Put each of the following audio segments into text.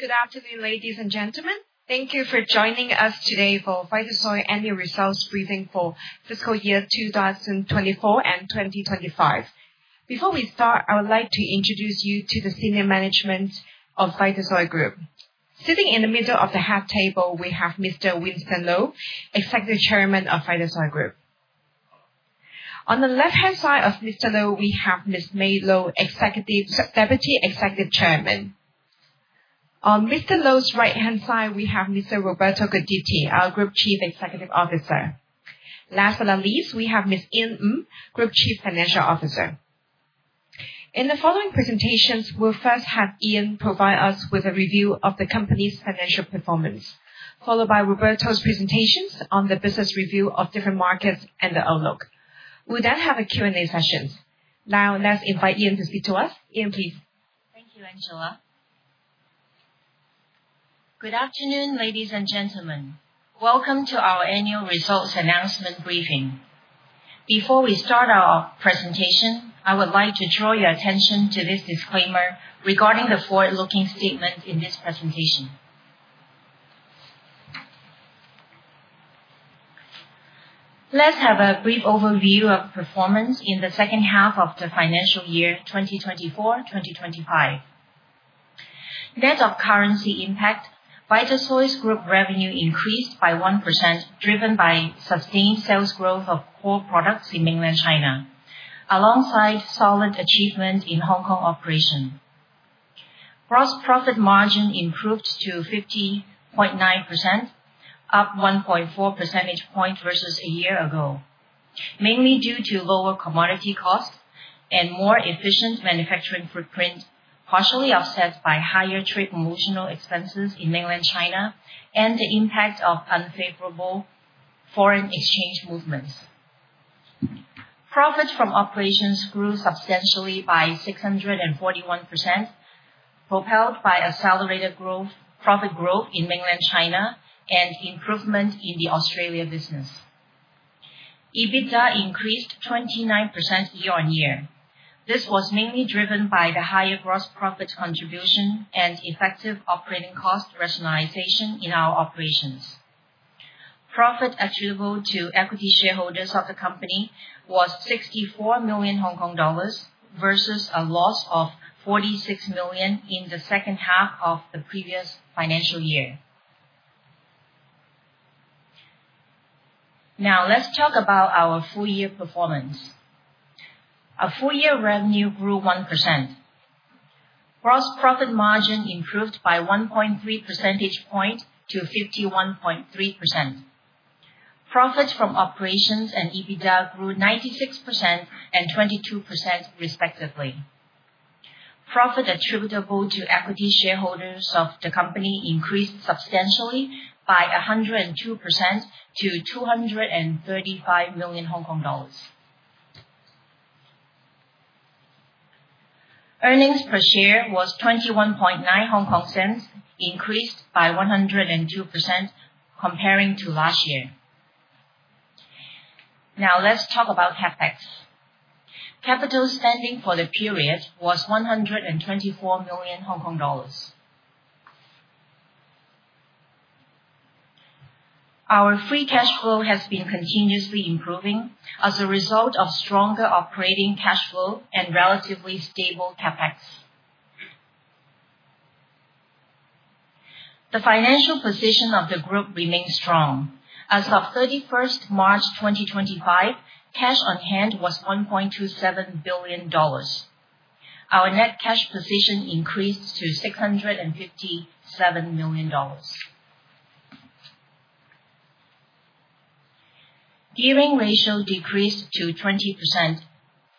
Good afternoon, ladies and gentlemen. Thank you for joining us today for Vitasoy Annual Results Briefing for Fiscal Year 2024 and 2025. Before we start, I would like to introduce you to the senior management of Vitasoy Group. Sitting in the middle of the head table, we have Mr. Winston Lo, Executive Chairman of Vitasoy Group. On the left-hand side of Mr. Lo, we have Ms. Mae Lo, Deputy Executive Chairman. On Mr. Lo's right-hand side, we have Mr. Roberto Guidetti, our Group Chief Executive Officer. Last but not least, we have Ms. Ian Ng, Group Chief Financial Officer. In the following presentations, we'll first have Ian provide us with a review of the company's financial performance, followed by Roberto's presentations on the business review of different markets and the outlook. We then have a Q&A session. Now, let's invite Ian to speak to us. Ian, please. Thank you, Angela. Good afternoon, ladies and gentlemen. Welcome to our annual results announcement briefing. Before we start our presentation, I would like to draw your attention to this disclaimer regarding the forward-looking statement in this presentation. Let's have a brief overview of performance in the second half of the financial year 2024-2025. Net of currency impact, Vitasoy's group revenue increased by 1%, driven by sustained sales growth of core products in mainland China, alongside solid achievements in Hong Kong operation. Gross profit margin improved to 50.9%, up 1.4 percentage points versus a year ago, mainly due to lower commodity costs and more efficient manufacturing footprint, partially offset by higher trade promotional expenses in mainland China and the impact of unfavorable foreign exchange movements. Profits from operations grew substantially by 641%, propelled by accelerated profit growth in mainland China and improvement in the Australia business. EBITDA increased 29% year on year. This was mainly driven by the higher gross profit contribution and effective operating cost rationalization in our operations. Profit attributable to equity shareholders of the company was HK$64 million versus a loss of HK$46 million in the second half of the previous financial year. Now, let's talk about our full-year performance. Our full-year revenue grew 1%. Gross profit margin improved by 1.3 percentage points to 51.3%. Profits from operations and EBITDA grew 96% and 22%, respectively. Profit attributable to equity shareholders of the company increased substantially by 102% to HK$235 million. Earnings per share was HK$21.9, increased by 102% comparing to last year. Now, let's talk about CapEx. Capital spending for the period was HK$124 million. Our free cash flow has been continuously improving as a result of stronger operating cash flow and relatively stable CapEx. The financial position of the group remains strong. As of 31 March 2025, cash on hand was HK$1.27 billion. Our net cash position increased to HK$657 million. Gearing ratio decreased to 20%.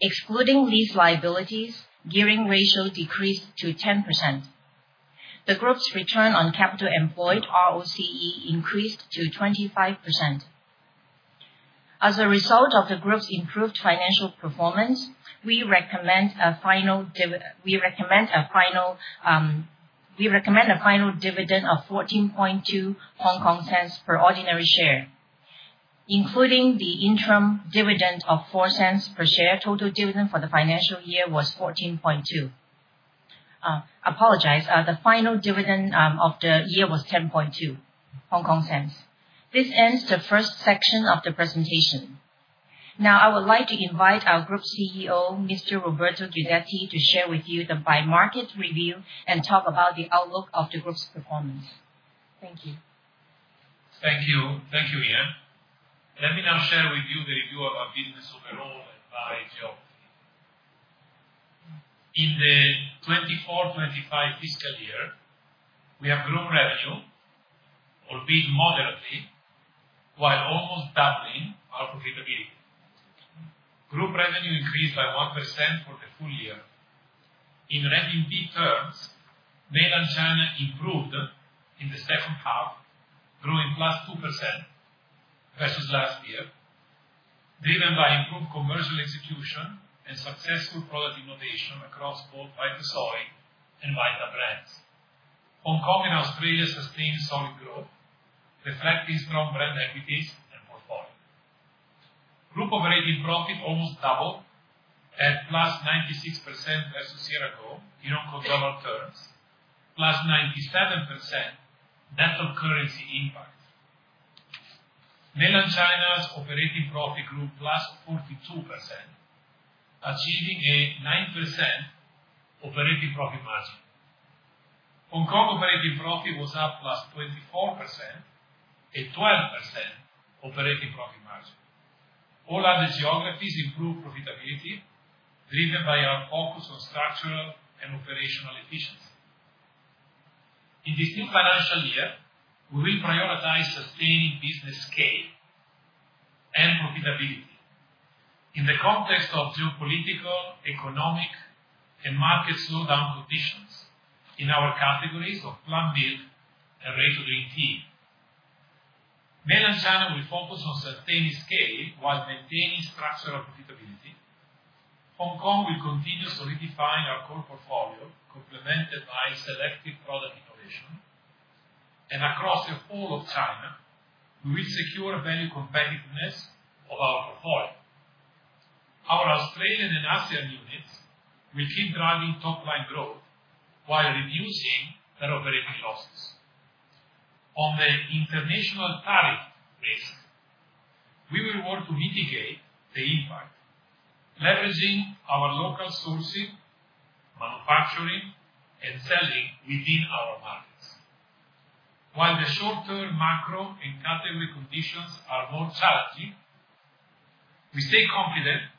Excluding lease liabilities, gearing ratio decreased to 10%. The group's return on capital employed, ROCE, increased to 25%. As a result of the group's improved financial performance, we recommend a final dividend of HK$10.2 per ordinary share. Including the interim dividend of 4 cents per share, total dividend for the financial year was HK$14.2. This ends the first section of the presentation. Now, I would like to invite our Group CEO, Mr. Roberto Guidetti, to share with you the by-market review and talk about the outlook of the group's performance. Thank you. Thank you. Thank you, Ian. Let me now share with you the review of our business overall and by market. In the 24-25 fiscal year, we have grown revenue, albeit moderately, while almost doubling our profitability. Group revenue increased by 1% for the full year. In revenue terms, mainland China improved in the second half, growing +2% versus last year, driven by improved commercial execution and successful product innovation across both Vitasoy and Vita brands. Hong Kong and Australia sustained solid growth, reflecting strong brand equities and portfolio. Group operating profit almost doubled at +96% versus year ago in HKD terms, +97% net of currency impact. Mainland China's operating profit grew +42%, achieving a 9% operating profit margin. Hong Kong operating profit was up +24%, a 12% operating profit margin. All other geographies improved profitability, driven by our focus on structural and operational efficiency. In this new financial year, we will prioritize sustaining business scale and profitability in the context of geopolitical, economic, and market slowdown conditions in our categories of plant milk and ready-to-drink tea. Mainland China will focus on sustaining scale while maintaining structural profitability. Hong Kong will continue solidifying our core portfolio, complemented by selective product innovation. Across the whole of China, we will secure value competitiveness of our portfolio. Our Australian and ASEAN units will keep driving top-line growth while reducing their operating losses. On the international tariff risk, we will work to mitigate the impact, leveraging our local sourcing, manufacturing, and selling within our markets. While the short-term macro and category conditions are more challenging, we stay confident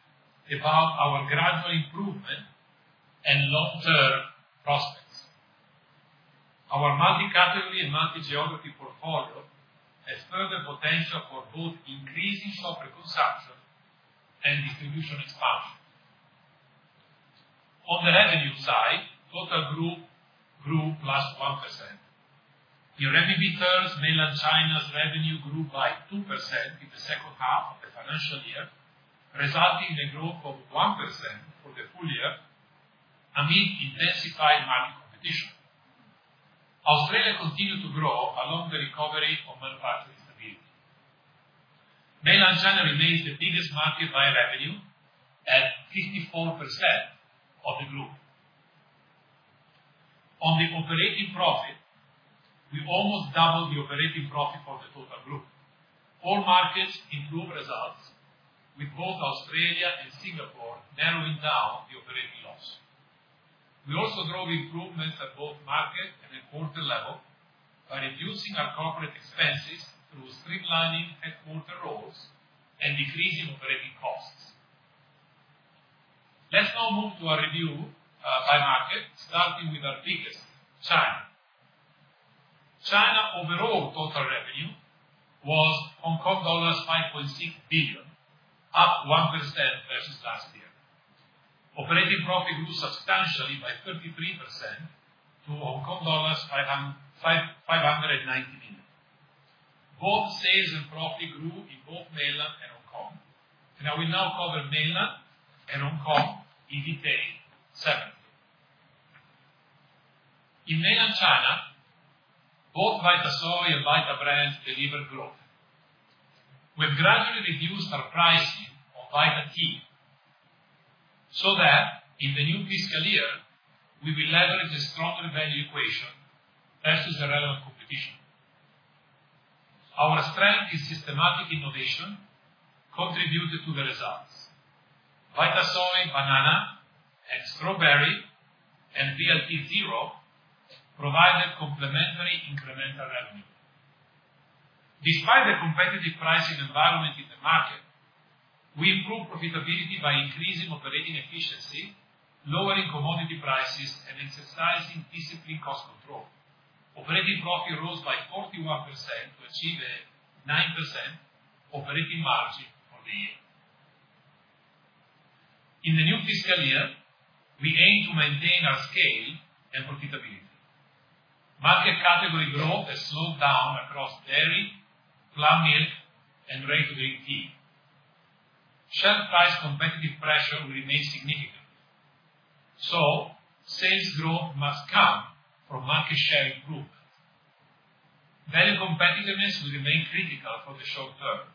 about our gradual improvement and long-term prospects. Our multi-category and multi-geography portfolio has further potential for both increasing shopper consumption and distribution expansion. On the revenue side, total group grew +1%. In revenue terms, mainland China's revenue grew by 2% in the second half of the financial year, resulting in a growth of 1% for the full year amid intensified market competition. Australia continued to grow along the recovery of manufacturing stability. Mainland China remains the biggest market by revenue at 54% of the group. On the operating profit, we almost doubled the operating profit for the total group. All markets improved results, with both Australia and Singapore narrowing down the operating loss. We also drove improvements at both market and headquarter level by reducing our corporate expenses through streamlining headquarter roles and decreasing operating costs. Let's now move to our review by market, starting with our biggest, China. China overall total revenue was HK$5.6 billion, up 1% versus last year. Operating profit grew substantially by 33% to HK$590 million. Both sales and profit grew in both mainland and Hong Kong. I will now cover mainland and Hong Kong in detail separately. In mainland China, both Vitasoy and Vita brands delivered growth. We have gradually reduced our pricing on Vita tea so that in the new fiscal year, we will leverage a stronger value equation versus the relevant competition. Our strength is systematic innovation, contributed to the results. Vitasoy, Banana, and Strawberry, and VLT0 provided complementary incremental revenue. Despite the competitive pricing environment in the market, we improved profitability by increasing operating efficiency, lowering commodity prices, and exercising disciplined cost control. Operating profit rose by 41% to achieve a 9% operating margin for the year. In the new fiscal year, we aim to maintain our scale and profitability. Market category growth has slowed down across dairy, plant milk, and ready-to-drink tea. Shelf price competitive pressure will remain significant. Sales growth must come from market share improvement. Value competitiveness will remain critical for the short term.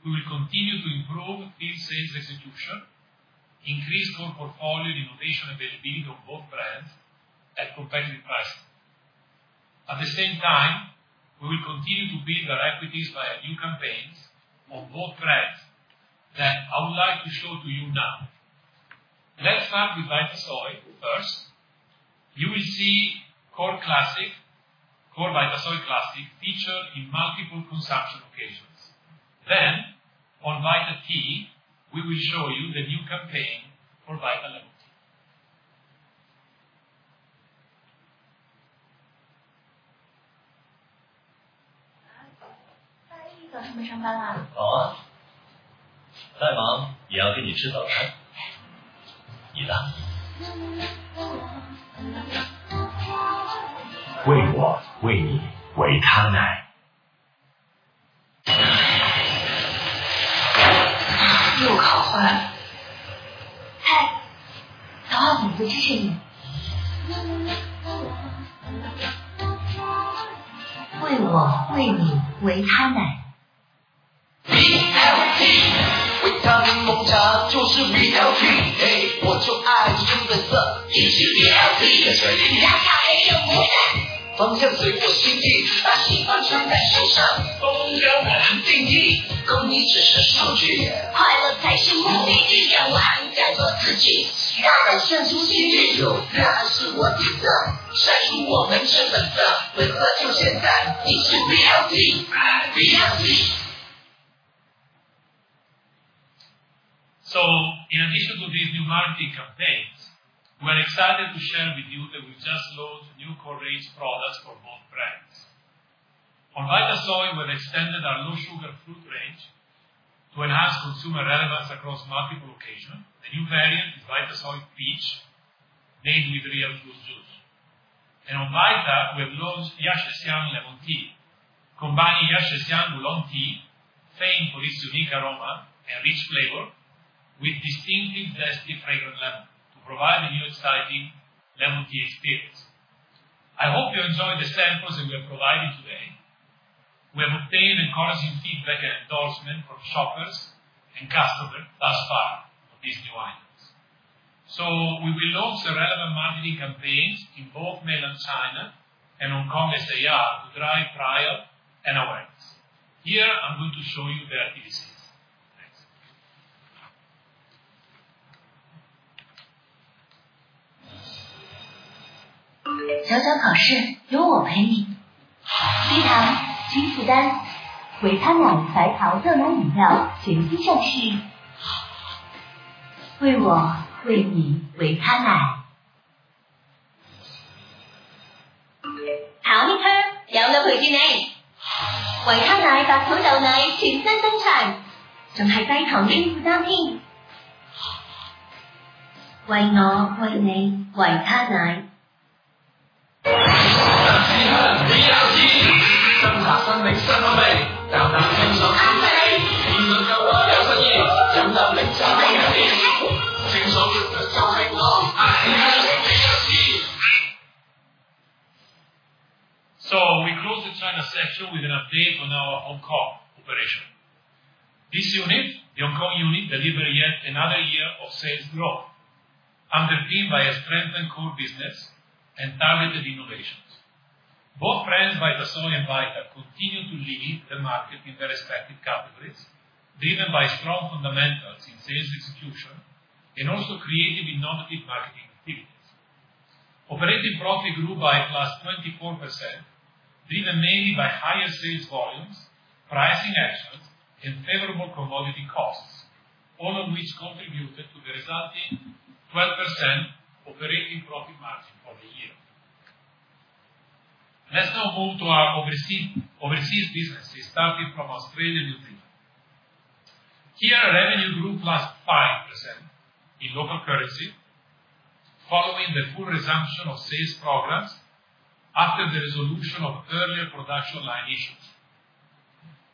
We will continue to improve field sales execution, increase core portfolio innovation availability on both brands at competitive pricing. At the same time, we will continue to build our equities via new campaigns on both brands that I would like to show to you now. Let's start with Vitasoy first. You will see core Vitasoy Classic featured in multiple consumption occasions. Then, on Vita tea, we will show you the new campaign for Vita lemon tea. 好啊。再忙也要跟你吃早餐。你的。为我，为你，为他奶。又考换。嗨。早上怎么不谢谢你？ 为我，为你，为他们。VLT. 为他们梦想，就是VLT。我就爱这颜色。一起VLT。这是你们两人咖啡的模样。方向随我心意，把喜欢穿在身上。风格难定义，公益只是数据。快乐才是目的地。让我们振作自己，大胆献出心意。热爱是我们的，闪出我们真本色。为何就现在，一起VLT。VLT. In addition to these new marketing campaigns, we're excited to share with you that we've just launched new core range products for both brands. On Vitasoy, we've extended our low sugar fruit range to enhance consumer relevance across multiple occasions. The new variant is Vitasoy Peach, made with real fruit juice. On Vita, we've launched Ya Shi Xiang Lemon Tea, combining Ya Shi Xiang Oolong Tea, famed for its unique aroma and rich flavor, with distinctive zesty fragrant lemon to provide a new exciting lemon tea experience. I hope you enjoy the samples that we've provided today. We have obtained encouraging feedback and endorsement from shoppers and customers thus far of these new items. We will launch the relevant marketing campaigns in both mainland China and Hong Kong SAR to drive trial and awareness. Here I'm going to show you their TVCs. 小小考试，由我陪你。绿糖，金丝丹，维他奶，白桃特奶饮料，全新上市。为我，为你，维他奶。考你咗，有冇佢住你？ 维他奶白草豆奶，全新生产。仲系低糖轻苦增添。为我，为你，维他奶。爱之香，VLT。真白真美，相合味，淡淡清爽，啱啱你。甜蜜柔和，又顺意，浸浸柠茶，更强烈。清爽甜蜜，就是我，爱之香，VLT。So we close the China section with an update on our Hong Kong operation. This unit, the Hong Kong unit, delivered yet another year of sales growth, underpinned by a strengthened core business and targeted innovations. Both brands, Vitasoy and Vita, continue to lead the market in their respective categories, driven by strong fundamentals in sales execution and also creative innovative marketing activities. Operating profit grew by 24%, driven mainly by higher sales volumes, pricing actions, and favorable commodity costs, all of which contributed to the resulting 12% operating profit margin for the year. Let's now move to our overseas businesses, starting from Australia and New Zealand. Here, revenue grew 5% in local currency, following the full resumption of sales programs after the resolution of earlier production line issues.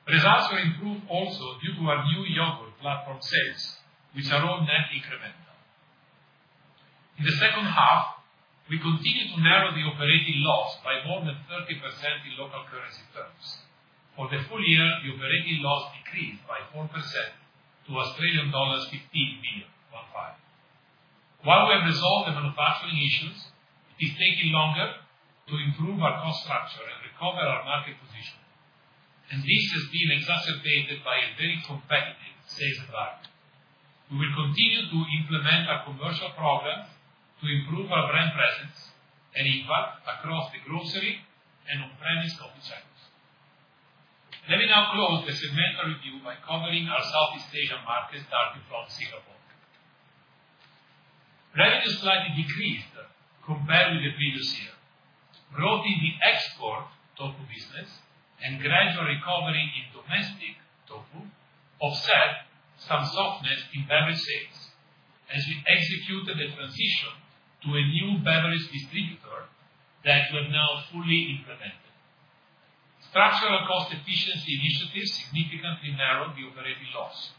Results were improved also due to our new yogurt platform sales, which are all net incremental. In the second half, we continued to narrow the operating loss by more than 30% in local currency terms. For the full year, the operating loss decreased by 4% to AUD $15 million. While we have resolved the manufacturing issues, it is taking longer to improve our cost structure and recover our market position. This has been exacerbated by a very competitive sales environment. We will continue to implement our commercial programs to improve our brand presence and impact across the grocery and on-premise coffee chains. Let me now close the segmental review by covering our Southeast Asian markets starting from Singapore. Revenue slightly decreased compared with the previous year. Growth in the export tofu business and gradual recovery in domestic tofu offset some softness in beverage sales as we executed a transition to a new beverage distributor that we have now fully implemented. Structural cost efficiency initiatives significantly narrowed the operating loss,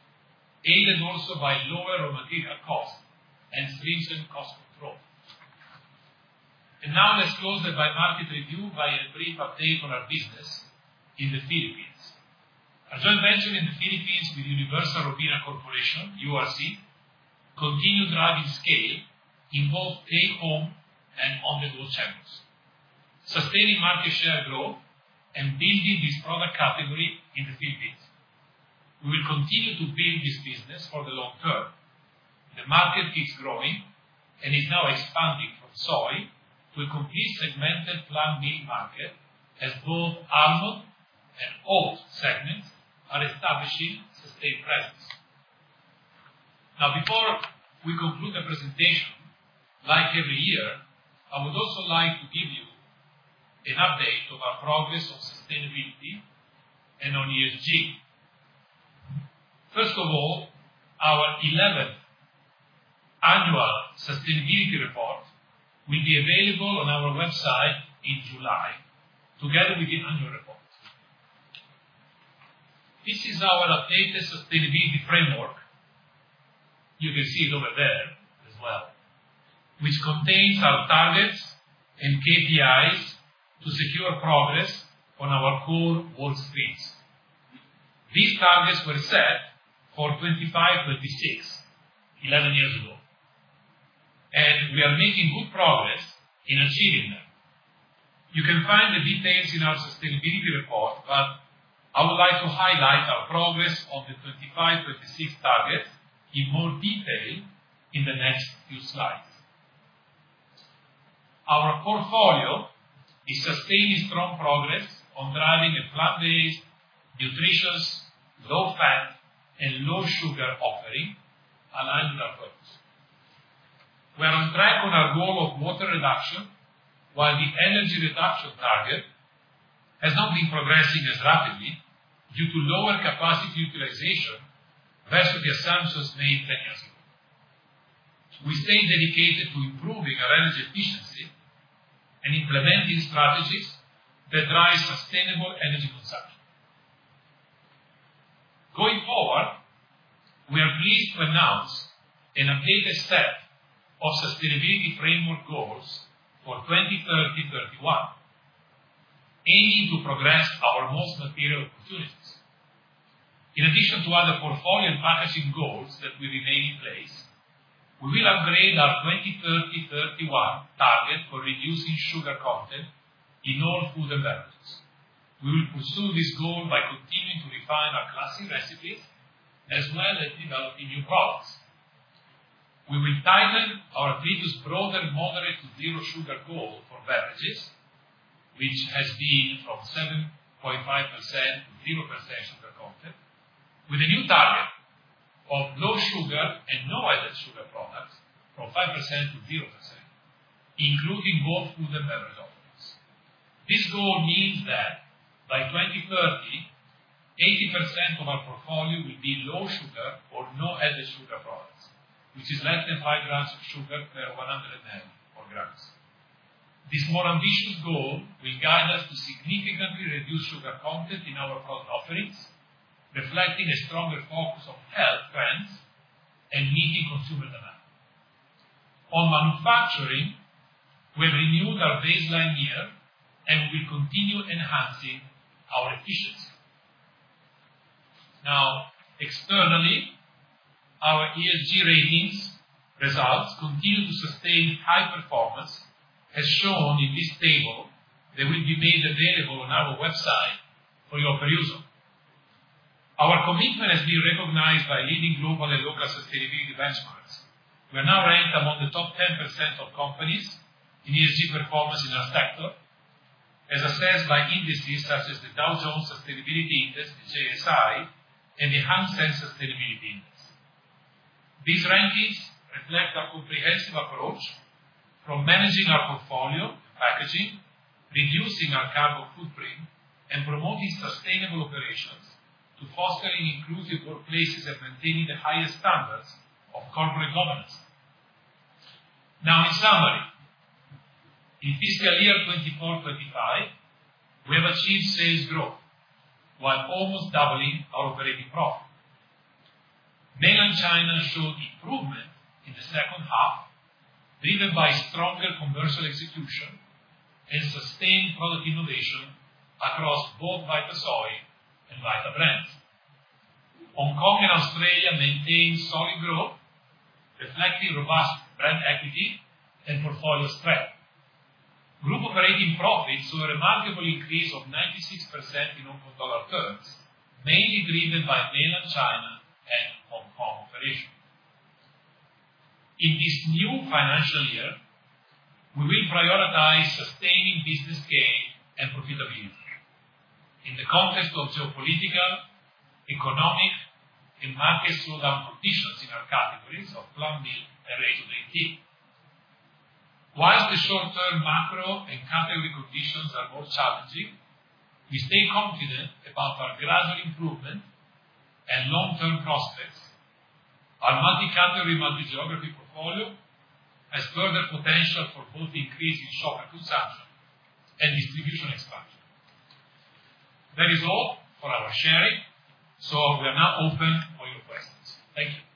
aided also by lower raw material costs and stringent cost control. Now let's close the bi-market review by a brief update on our business in the Philippines. Our joint venture in the Philippines with Universal Robina Corporation, URC, continued driving scale in both take-home and on-the-go channels, sustaining market share growth and building this product category in the Philippines. We will continue to build this business for the long term. The market keeps growing and is now expanding from soy to a complete segmented plant milk market as both almond and oat segments are establishing sustained presence. Now, before we conclude the presentation, like every year, I would also like to give you an update of our progress on sustainability and on ESG. First of all, our 11th annual sustainability report will be available on our website in July together with the annual report. This is our updated sustainability framework. You can see it over there as well, which contains our targets and KPIs to secure progress on our core world streets. These targets were set for 2025-26, 11 years ago. We are making good progress in achieving them. You can find the details in our sustainability report, but I would like to highlight our progress on the 2025-26 targets in more detail in the next few slides. Our portfolio is sustaining strong progress on driving a plant-based, nutritious, low-fat, and low-sugar offering aligned with our focus. We are on track on our goal of water reduction, while the energy reduction target has not been progressing as rapidly due to lower capacity utilization versus the assumptions made 10 years ago. We stay dedicated to improving our energy efficiency and implementing strategies that drive sustainable energy consumption. Going forward, we are pleased to announce an updated set of sustainability framework goals for 2030-31, aiming to progress our most material opportunities. In addition to other portfolio and packaging goals that will remain in place, we will upgrade our 2030-31 target for reducing sugar content in all food and beverages. We will pursue this goal by continuing to refine our classic recipes as well as developing new products. We will tighten our previous broader moderate to zero-sugar goal for beverages, which has been from 7.5% to 0% sugar content, with a new target of low sugar and no added sugar products from 5% to 0%, including both food and beverage options. This goal means that by 2030, 80% of our portfolio will be low sugar or no added sugar products, which is less than 5 grams of sugar per 100 milliliters or grams. This more ambitious goal will guide us to significantly reduce sugar content in our product offerings, reflecting a stronger focus on health trends and meeting consumer demand. On manufacturing, we have renewed our baseline year and we will continue enhancing our efficiency. Now, externally, our ESG ratings results continue to sustain high performance, as shown in this table that will be made available on our website for your perusal. Our commitment has been recognized by leading global and local sustainability benchmarks. We are now ranked among the top 10% of companies in ESG performance in our sector, as assessed by indices such as the Dow Jones Sustainability Index, the DJSI, and the Hang Seng Sustainability Index. These rankings reflect our comprehensive approach from managing our portfolio and packaging, reducing our carbon footprint, and promoting sustainable operations to fostering inclusive workplaces and maintaining the highest standards of corporate governance. Now, in summary, in fiscal year 2024-25, we have achieved sales growth while almost doubling our operating profit. Mainland China showed improvement in the second half, driven by stronger commercial execution and sustained product innovation across both Vitasoy and Vita brands. Hong Kong and Australia maintain solid growth, reflecting robust brand equity and portfolio strength. Group operating profits saw a remarkable increase of 96% in Hong Kong dollar terms, mainly driven by mainland China and Hong Kong operations. In this new financial year, we will prioritize sustaining business gain and profitability in the context of geopolitical, economic, and market slowdown conditions in our categories of plant milk and ready to drink tea. Whilst the short-term macro and category conditions are more challenging, we stay confident about our gradual improvement and long-term prospects. Our multi-category, multi-geography portfolio has further potential for both increasing shopper consumption and distribution expansion. That is all for our sharing, so we are now open for your questions. Thank you.